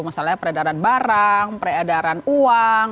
misalnya peredaran barang peredaran uang